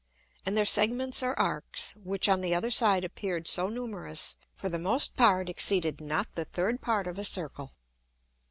And their Segments or Arcs, which on the other side appear'd so numerous, for the most part exceeded not the third Part of a Circle.